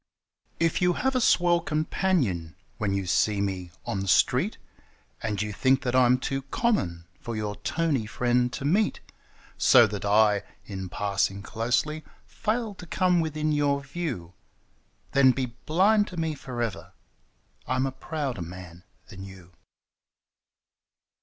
If you have a swell companion when you see me on the street, And you think that I'm too common for your toney friend to meet, So that I, in passing closely, fail to come within your view — Then be blind to me for ever: I'm a prouder man than you!